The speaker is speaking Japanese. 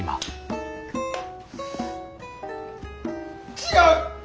違う！